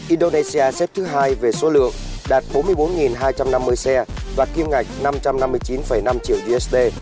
indonesia xếp thứ hai về số lượng đạt bốn mươi bốn hai trăm năm mươi xe và kim ngạch năm trăm năm mươi chín năm triệu usd